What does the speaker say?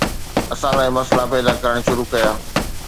اسان لاءِ مسئلا پيدا ڪرڻ شروع ڪيا